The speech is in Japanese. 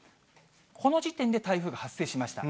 この時点で台風が発生しました。